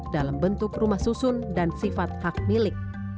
dalam bentuk rumah susun dan sifat hak milik